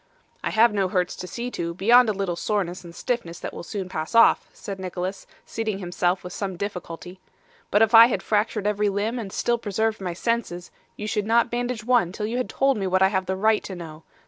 'I have no hurts to see to, beyond a little soreness and stiffness that will soon pass off,' said Nicholas, seating himself with some difficulty. 'But if I had fractured every limb, and still preserved my senses, you should not bandage one till you had told me what I have the right to know.